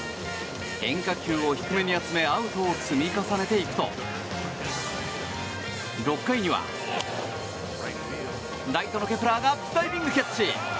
変化球を低めに集めアウトを積み重ねていくと６回にはライトのケプラーがダイビングキャッチ。